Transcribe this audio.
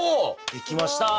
できました！